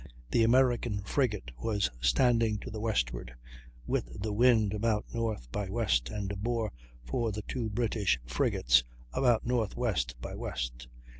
"The American frigate was standing to the westward with the wind about north by west and bore from the two British frigates about northwest by west.